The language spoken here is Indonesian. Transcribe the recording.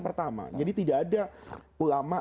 pertama jadi tidak ada ulama